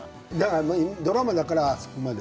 ドラマだからあそこまで。